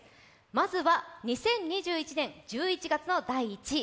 まずは２０２１年１１月の第１位。